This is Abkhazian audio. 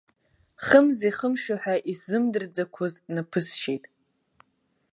Хымзи хымши ҳәа исзымдырӡақәоз наԥысшьит.